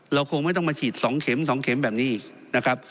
คงไม่ต้องมาฉีด๒เข็ม๒เข็มแบบนี้อีกนะครับ